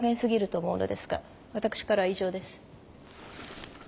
私からは以上です。